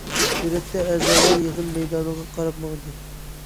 سۈرەتتە، ئەزالار يىغىن مەيدانىغا قاراپ ماڭدى.